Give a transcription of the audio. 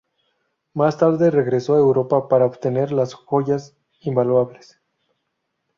Más tarde regresó a Europa para obtener las joyas invaluables.